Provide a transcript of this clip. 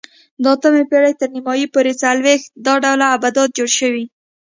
د اتمې پېړۍ تر نیمایي پورې څلوېښت دا ډول آبدات جوړ شوي